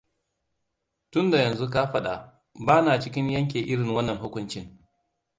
Tunda yanzu ka faɗa, bana cikin yanke irin wannan hukuncin.